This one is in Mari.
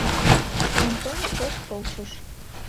Онтон чот полшыш.